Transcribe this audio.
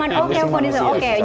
oke kondisi manusia oke